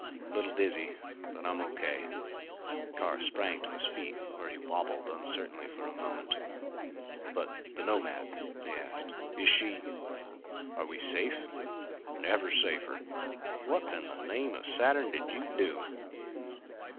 "Little dizzy. But I'm okay." Carr sprang to his feet where he wabbled uncertainly for a moment. "But the Nomad?" he asked. "Is she are we safe?" "Never safer. What in the name of Saturn did you do?"